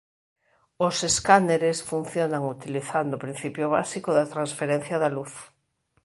Os escáneres funcionan utilizando o principio básico da transferencia da luz.